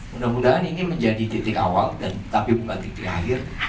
mudah mudahan ini menjadi titik awal dan tapi bukan titik akhir